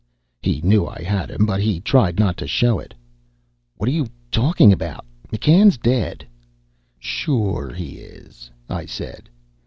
He knew I had him, but he tried not to show it. "What are you talking about? McCann's dead." "Sure he is," I said.